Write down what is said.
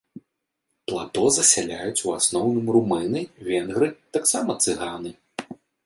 Плато засяляюць у асноўным румыны, венгры, таксама цыганы.